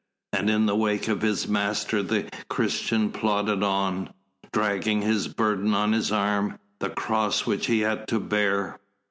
And in the wake of his Master the Christian plodded on, dragging his burden on his arm, the cross which he had to bear.